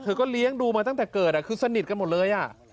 ก็เลี้ยงดูมาตั้งแต่เกิดคือสนิทกันหมดเลย